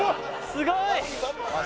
すごい！